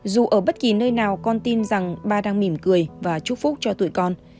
dù ở bất kỳ nơi nào con tin rằng ba đang mỉm cười và chúc phúc cho anh